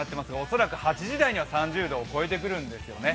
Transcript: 恐らく８時台には３０度を超えてきそうなんですよね。